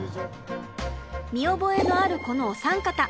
見覚えのあるこのお三方。